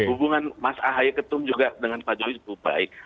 hubungan mas ahaye ketum juga dengan pak jokowi cukup baik